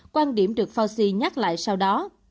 quan điểm được fauci nhắc lại sau đó